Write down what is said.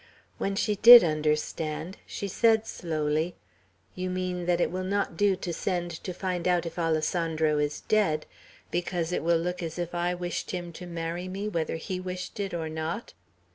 When she did understand, she said slowly: "You mean that it will not do to send to find out if Alessandro is dead, because it will look as if I wished him to marry me whether he wished it or not?"